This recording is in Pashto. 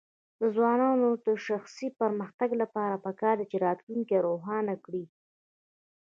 د ځوانانو د شخصي پرمختګ لپاره پکار ده چې راتلونکی روښانه کړي.